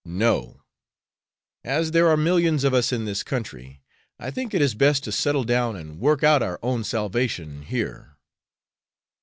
No! as there are millions of us in this country, I think it best to settle down and work out our own salvation here."